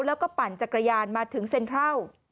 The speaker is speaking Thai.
แล้วก็ปั่นจักรยานมาถึงเซ็นทรัล